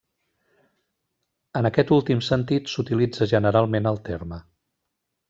En aquest últim sentit s'utilitza generalment el terme.